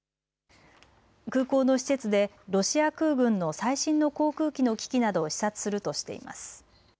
空港の施設でロシア空軍の最新の航空機の機器などを視察するとしています。